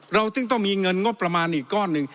เราจึงต้องมีเงินงบประมาณอีกก้อนหนึ่ง